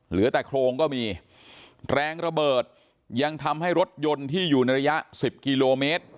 เหลือแต่โครงก็มีแรงระเบิดยังทำให้รถยนต์ที่อยู่ในระยะสิบกิโลเมตร